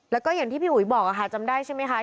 แล้วก็อย่างที่พี่หวยบอกจำได้ไหมคะ